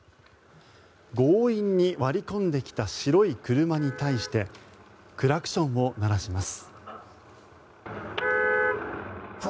強引に割り込んできた白い車に対してクラクションを鳴らします。